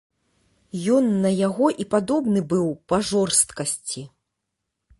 Ён на яго і падобны быў па жорсткасці.